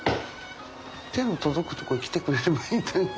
手の届くとこに来てくれればいいのに。